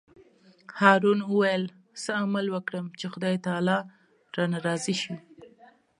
هارون وویل: څه عمل وکړم چې خدای تعالی رانه راضي شي.